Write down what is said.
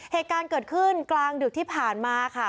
เหตุการณ์เกิดขึ้นกลางดึกที่ผ่านมาค่ะ